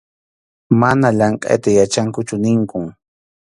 Manam llamkʼayta yachankuchu ninkun.